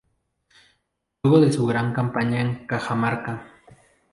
Luego de su gran campaña en Cajamarca.